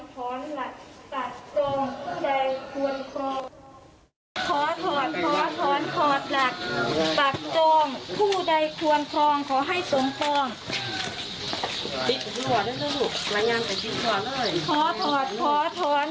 ปัจจงผู้ได้ควรพองขอให้สมปองขอถอดขอถอน